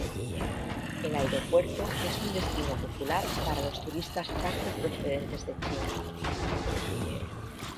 El aeropuerto es un destino popular para los turistas chárter procedentes de China.